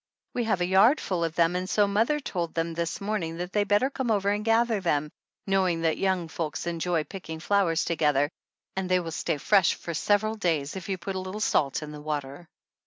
We have a yard full of them and so mother told them this morning that they better come over and gather them, knowing that young folks enjoy picking flowers together and they will stay fresh for sev eral days if you put a little salt in the water.